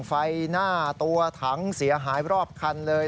ไฟหน้าตัวถังเสียหายรอบคันเลย